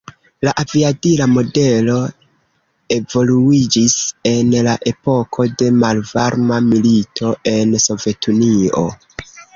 La aviadila modelo evoluiĝis en la epoko de Malvarma Milito en Sovetunio.